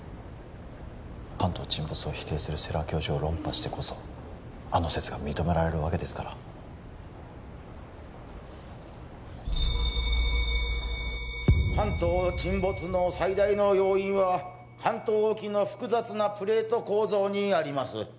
関東沈没を否定する世良教授を論破してこそあの説が認められるわけですから関東沈没の最大の要因は関東沖の複雑なプレート構造にあります